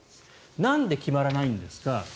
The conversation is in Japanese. なんで決まらないんですか？